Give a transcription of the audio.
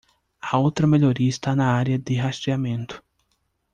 A outra melhoria está na área de rastreamento.